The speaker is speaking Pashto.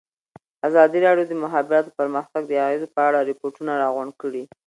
ازادي راډیو د د مخابراتو پرمختګ د اغېزو په اړه ریپوټونه راغونډ کړي.